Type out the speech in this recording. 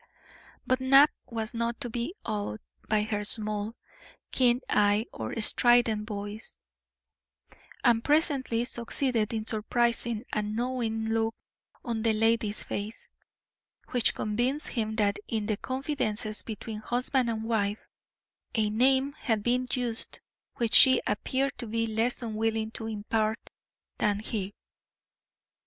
But Knapp was not to be awed by her small, keen eye or strident voice, and presently succeeded in surprising a knowing look on the lady's face, which convinced him that in the confidences between husband and wife a name had been used which she appeared to be less unwilling to impart than he.